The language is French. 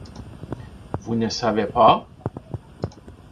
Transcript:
Vous ne savez pas?